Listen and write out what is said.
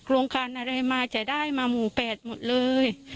โรงการอะไรมาจะได้มาหมู่๘หมดเลย